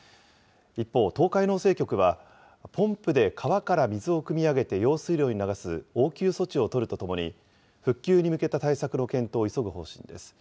一方、東海農政局は、ポンプで川から水をくみ上げて用水路に流す応急措置を取るとともに、復旧に向けた対策の検討を急ぐ方針です。